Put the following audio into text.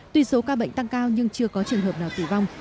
tuy số ca bệnh tăng cao nhưng chưa có trường hợp nào tử vong